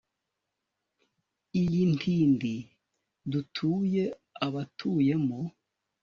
iyi ntindi dutuye abatuyemo